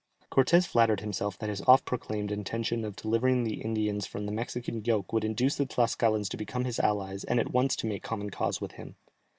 Cortès flattered himself that his oft proclaimed intention of delivering the Indians from the Mexican yoke would induce the Tlascalans to become his allies and at once to make common cause with him.